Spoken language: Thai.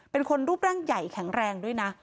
เป็นคนรูปร่างใหญ่แข็งแรงด้วยนะ